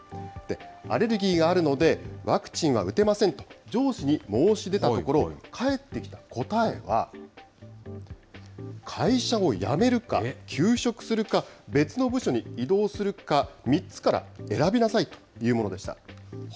アレルギーがあるので、ワクチンは打てませんと、上司に申し出たところ、返ってきた答えは、会社を辞めるか休職するか、別の部署に異動するか、３つから選びなさいというものでした。